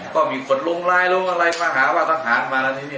ก็มีคนลงไลน์ลงอะไรมาหาว่าทหารมาแล้วที่นี่